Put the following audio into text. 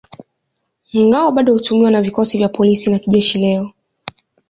Ngao bado hutumiwa na vikosi vya polisi na jeshi leo.